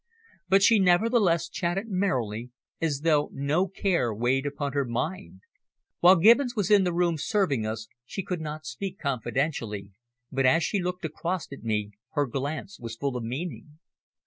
But she nevertheless chatted merrily, as though no care weighed upon her mind. While Gibbons was in the room serving us she could not speak confidentially, but as she looked across at me, her glance was full of meaning.